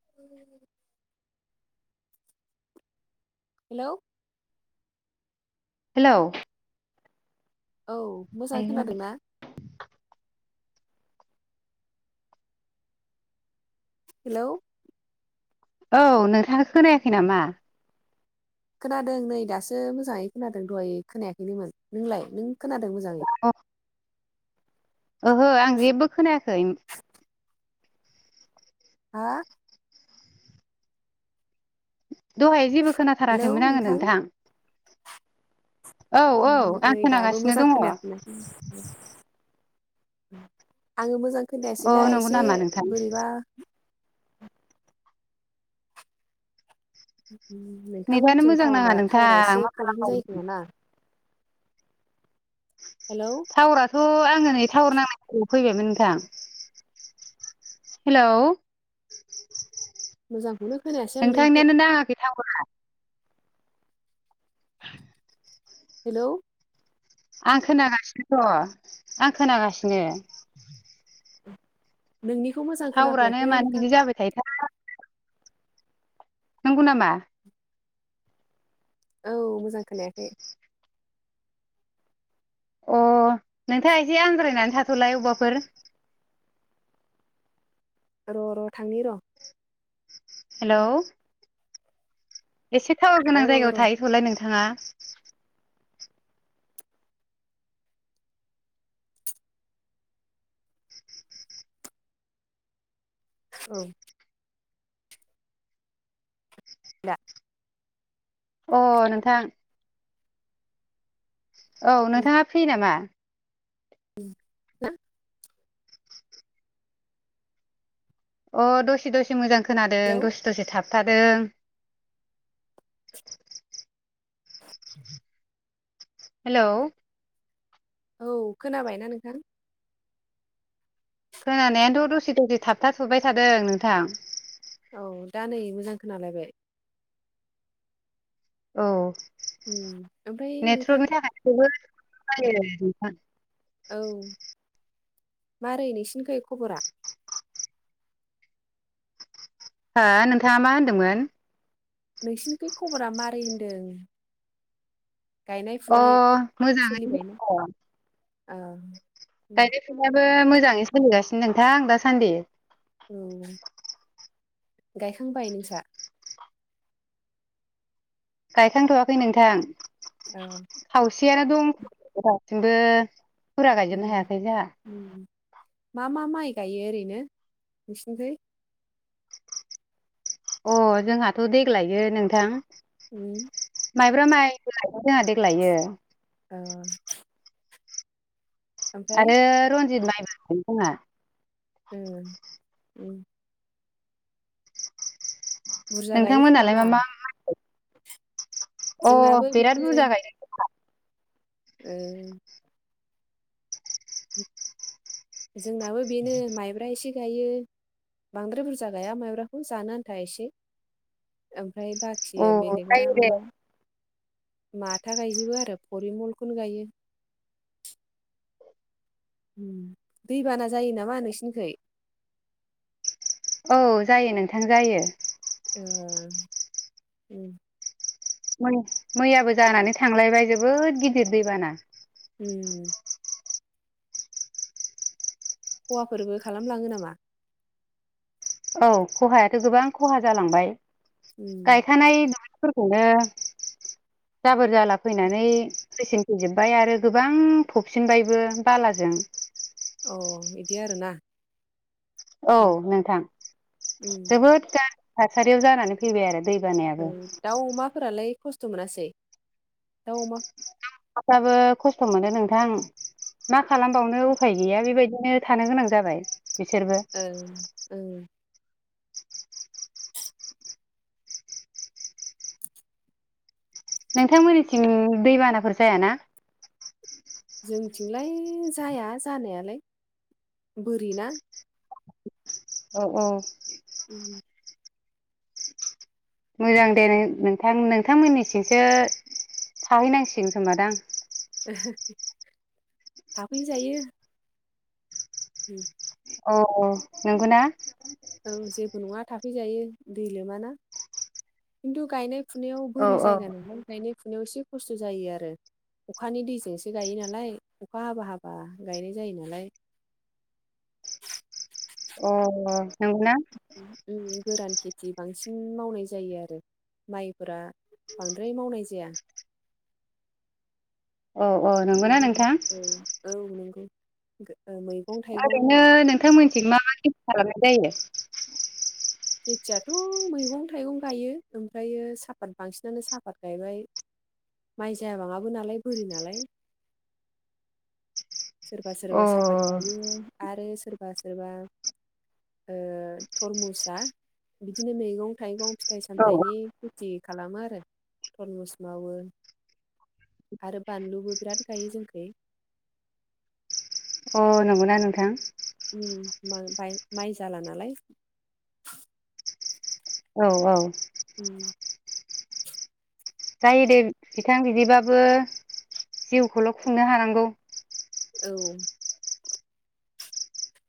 [inaudible] Hello hello औ मोजां खोनादोंना हेलौ औ नोंथाङा खोनायाखै नामा खोनादों नै दासो मोजाङै खोनादों दहाय खोनायाखैनोमोन नोंलाय नों खोनादों मोजाङै अ ओहो आं जेबो खोनायाखै हा दहाय जेबो खोनाथाराखैमोन आङो नोंथां औ औ आं नै दाबो खोनागासिनो मोजां दङ खोनाखैनो [inaudible] आङो मोजां औ खोननायासैलाय नंगौ एसे नामा नोंथां बोरैबा उम नेटानो नोंथांमोनथिं मोजां नाङा थाउनआ थावारा नोंथां एसे मा प्रब्लेम खालामबावनो जायोखोमा ना हेलौ टावाराथ आङो नै थावार नांनायथिंनो फैबायमोन नोंथां हेलौ मोजांखौनो खोनायासै आं नोंनिखौ नोंथांनियानो नाङाखै थावारा हेलौ आं खोनागासिनो दङ आं खोनागासिनो नोंनिखौ मोजां खोनाफैयाखै नोंथां मा जाबाय थायोथाया [unintelligible] नंगौ नामा औ मोजां खोनायाखै अ नोंथाङा एसे आन्ज्रायनानै थाथलाय अबावबाफोर र र थांनि र हेलौ एसे थावार औ गोनां जायगायाव र' थाहैथलाय नोंथाङा औ दा अ नोंथां औ नोंथाङा फ्रि नामा [inaudible] अ दसे दसे मोजां खोनादों हेलौ दसे दसे थाबथादों हेलौ औ खोनाबायना नोंथां खोनानायाथ दसे दसे थाबथा थबाय थादों नोंथां औ दा नै मोजां खोनालायबाय उम ओमफ्राय नोंथां [unintelligible] औ मारै नोंसिनिखै खबरा हो नोंथाङा मा होनदोंमोन नोंसिनिखै खबरा मारै होनदों गायनाय अ फुनाय मोजाङैनो सोलिबायना दङ ओ गायनाय फुनायाबो मोजांङै सोलिगासिनो नोंथांं दासान्दि औ गायखांबाय नोंसा गायखांथवाखै नोंथां औ खावसेयानो दं दासिमबो फुरा गायजोबनो हायाखै जोंहा। मा-मा माइ गायो ओरैनो नोंसिनिखै? अ जोंहाथ' देग्लायो नोंथां उम माइब्रा माइबो [unintelligible] जोंहा देग्लायो। औ। ओमफ्राय आरो रनजित माइबो जोंहा। उम-उम। बुरजा गायो खोमा नोंथांमोनालाय ना मा-मा अ जोंनाबो बिराद बेनो बुरजा गायदों। ओ जोंनाबो बेनो माइब्रा ओमफ्राय एसे गायो बांद्राय बुरजा गाया माइब्राखौ जानो आन्था एसे। ओमफ्राय औ बाखिया बेलेगा जायो दे माबा माथा गायजोबो आरो फरिमलखौनो गायो। दैबाना जायो नामा नोंसिनिखै? औ जायो नोंथां जायो। ओ उम। मैयाबो जानानै थांलायबाय जोबोद गिदिर दैबाना। उम। खहाफोरबो खालामलाङो नामा? औ खहायाथ' गोबां खहा जालांबाय उम गायखानाय दुब्लि फोरखौनो जाबोर जाला फैनानै फैसिनफिनजोबबाय आरो गोबां फबसिनबायबो बालाजों। अ बिदि आरो ना। औ नोंथां उम जोबोद गाज्रि थासारियाव जानानै फैबाय आरो दै ओ बानायाबो। दाउ अमाफोरालाय खस्थ' मोनासै दाउ अमा फ्राबो खस्थ' मोन्दों नोंथां मा खालामबावनो उफाय गैया बेबायदिनो थानो गोनां जाबाय बिसोरबो। ओ ओ। नोंथांमोननिथिं दैबानाफोर जायाना? जोंनिथिंलाय जाया जानायालाय बोरिना। औ औ। उम। मोजां दे नों-नोंथां नोंथांमोननिथिंसो थाहैनांसिगोन खोमा दां। थाफैजायो। उम। औ औ नंगौ ना? औ जेबो नङा थाफैजायो दै लोमाना। खिन्थु गायनाय फुनायाव औ बोरि औ जायगा नालाय गायनाय फुनायाव एसे खस्थ' जायो आरो। अखानि दैजोंसो गायो नालाय अखा हाबा हाबा गायनाय जायो नालाय। अ नंगौना? ओम गोरान खेथि बांसिन मावनाय जायो आरो। माइब्रा बांद्राय मावनाय जाया। औ औ नंगौना मैगं नोंथां! औ नंगौ। गो ओ मै ओरैनो नोंथांमोननिथिं मा मा खेथि खालामनाय जायो? खेथियाथ' मैगं थाइगं गायो ओमफ्रायो साहापात बांसिनानो साहापात गायबाय। माइ जाबाङाबो नालाय बोरि नालाय। सोरबा सोरबा अ साहापात गायो आरो सोरबा सोरबा ओ थरमुसआ बिदिनो मैगं थाइगं फिथाइ औ सामथाइनि खेथि खालामो आरो थरमुस मावो आरो बानलुबो बिराद गायो जोंनिखै। अ नंगौना नोंथां? उम मा-मा-माइ जाला नालाय। औ औ। उम। जायो दे नोंथां बिदिबाबो जिउखौल' खुंनो हानांगौ। औ।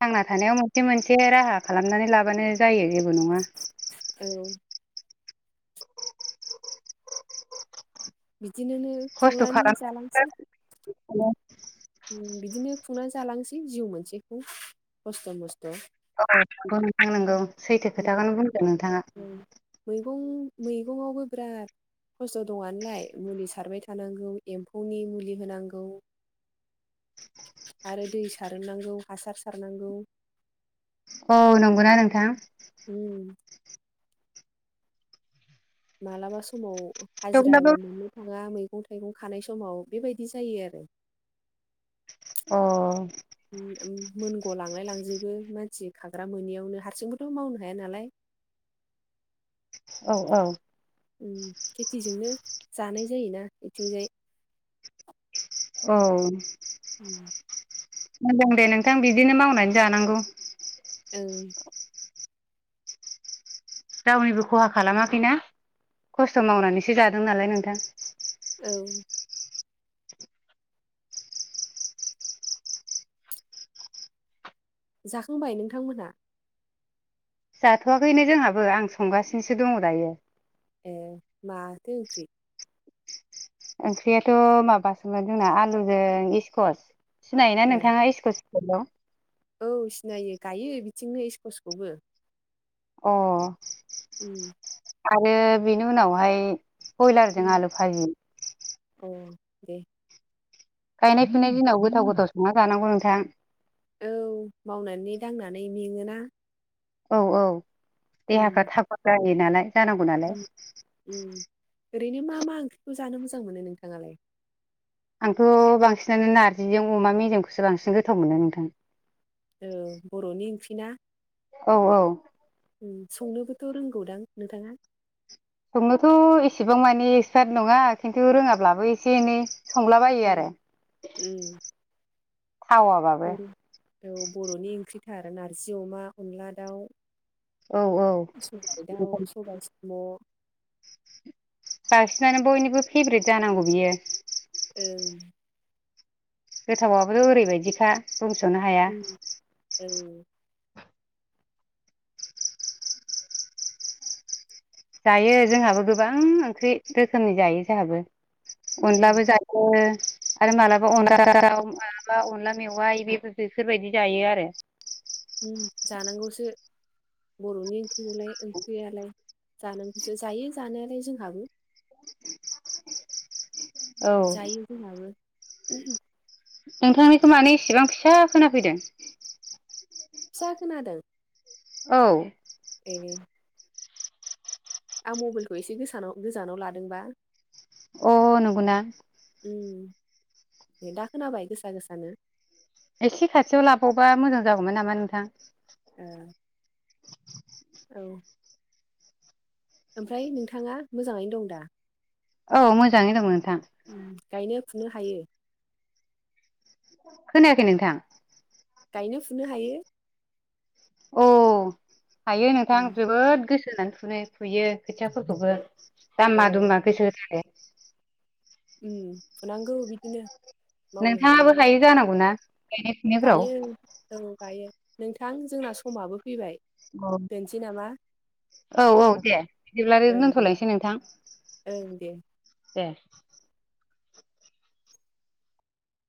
थांना थानायाव मोनसे मोनसे राहा खालामनानै लाबानो जायो जेबो नङा। औ। बिदिनोनो खस्थ' खुंनानै खालामनानै जालांनोसै। [unintelligible] ओम बिदिनो खुंनानै जालांसै जिउ मोनसेखौ खस्थ' मस्थ'। औ नंगौ नोंथां नोंगौ, सैथो उम खोथाखौनो बुंदों नोंथाङा। उम मैगं मैगंआवबो बिराद खस्थ' दङ आनालाय मुलि सारबाय थानांगौ एम्फौनि मुलि होनांगौ आरो दै सारनांगौ, हासार सारनांगौ। अह नंगौना नोंथां? उम मालाबा समाव हाजिराबो थेवब्लाबो मोननो थाङा मैगं थाइगं खानाय समाव बेबायदि जायो आरो। अ ओ-ओम मोनग' लांलाय लांजोबो मानसि खाग्रा मोनैयावनो हारसिंनो मावनो हाया नालाय औ औ उम खेथिजोंनो जानाय जायोना इथिंजाय। औ उम मोजां दे नोंथां बिदिनो मावनानै जानांगौ। ओं रावनिबो खहा खालामाखैना खस्थ' मावनानैसो जादों नालाय नोंथां। औ जाखांबाय नोंथांमोनहा? जाथ'वाखैनो जोंहाबो आं संगासिनोसो दङ दायो। ए माथो ओंख्रि ओंख्रियाथ' माबासोमोन जोंना आलुजों इस्कस सिनायोना ए नोंथाङा इस्कस हेलौ औ सिनायो गायो बिथिंनो स्कसखौबो अ उम आरो बेनि उनावहाय बयलारजों आलु भाजि औ दे गायनाय फुनाय दिनाव गोथाव गोथाव संना जानांगौ नोंथां। औ मावनानै दांनानै मेंओना औ औ देहाफोरा थागद जायो नालाय जानांगौ नालाय ओम ओम ओरैनो मा मा ओंख्रिखौ जानो मोजां मोनो नोंथाङालाय? आंथ' बांसिनानो नार्जिजों अमा मेजेमखौसो बांसिन गोथाव मोनो नोंथां। ओ बर'नि ओंख्रि ना। औ औ। ओम संनोबोथ' रोंगौदां नोंथाङा? संनोथ' एसेबां मानि एक्सपारट नङा खिन्थु रोङाब्लाबो एसे एनै संलाबायो उम आरो थावाबाबो। ओम औ बर'नि ओंख्रिथार नारजि अमा अनला दाउ। औ औ सबाइ दाउ सबाइ साम', बांसिनानो बयनिबो फेब्रेट जानांगौ बियो। ओं। गोथावाबोथ' ओरैबायदिखा बुंस'नो हाया। औ जायो जोंहाबो गोबां ओंख्रि रोखोमनि जायो जोहाबो उम अनलाबो जायो यो आरो मालाबा उम अनला दाव मा अनला मेवाइ बेफोर बेफोरबायदि जायो आरो। ओम जानांगौसो बर'नि ओंख्रिखौलाय ओंख्रियालाय। जानांगौसो जायो जानायालाय जोंहाबो। औ जायो जोंहाबो नोंथांनिखौ माने एसेबां फिसा खोनाफैदों? फिसा खोनादों। औ। ए। आं मबाइलखौ एसे गोसानाव गोजानाव लादोंबा। अ नंगौना? ओम दे दा खोनाबाय गोसा गोसानो? एसे खाथियाव लाबावबा मोजां जागौमोन नामा नोंथां। ओ औ। ओमफ्राय नोंथाङा मोजाङैनो दं दा? औ मोजाङै दं नोंथां। गायनो फुनो हायो? खोनायाखै नोंथां। गायनो फुनो हायो? औ हायो नोंथां उम जोबोद गोसो होनानै फुनो फुयो खोथियाफोरखौबो ओ दामा औ दुमा गोसो होथारो। ओम फुनांगौ बिदिनो। मावनो नोंथाङाबो हानायाव हायो जानांगौना? गायनाय फुनायफ्राव? गायो औ गायो नोंथां जोंना समाबो फैबाय। अ' दोनसै नामा? औ औ दे बिदिब्ला ओं दे दोनथ'लायसै नोंथां ओं दे दे।